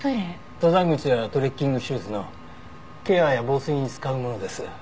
登山靴やトレッキングシューズのケアや防水に使うものです。